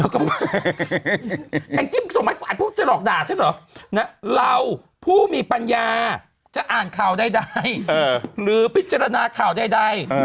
แกงจิ๊มส่งใหม่กวาดพูดจะลอกด่าเถอะหรอเราผู้มีปัญญาจะอ่านข่าวใดแล้วพิจารณาข่าวใด